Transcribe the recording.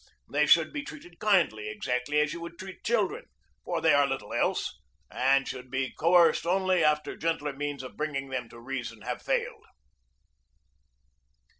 They should be treated kindly, exactly as you would treat children, for they are little else, and should be coerced only after gentler means of bringing them to reason have failed."